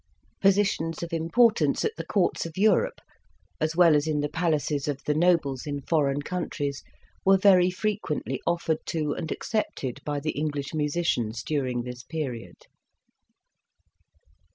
Positions of importance at the Courts of Europe, as well as in the palaces of the nobles in foreign countries were very fre quently offered to and accepted by the English musicians during this period.